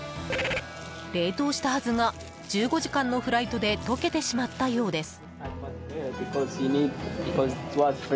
冷凍したはずが１５時間のフライトで解けてしまったようです。